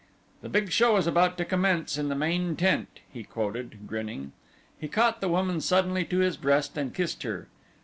"'The big show is about to commence in the main tent,'" he quoted, grinning. He caught the woman suddenly to his breast and kissed her.